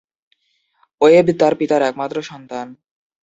Web তার পিতামাতার একমাত্র সন্তান।